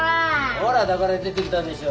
ほらだから出てきたでしょう。